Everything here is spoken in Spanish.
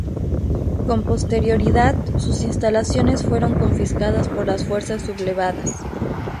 Con posterioridad sus instalaciones fueron confiscadas por las fuerzas sublevadas.